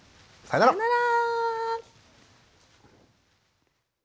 さよなら。